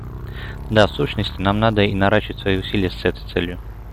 Да в сущности, нам надо и наращивать свои усилия с этой целью.